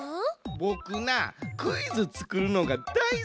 ボクなクイズつくるのがだいすきやねん。